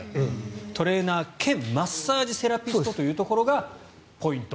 トレーナー兼マッサージセラピストというところがポイント。